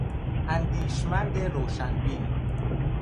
اندیشمند روشن بین